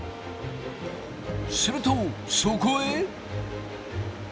するとそこへ。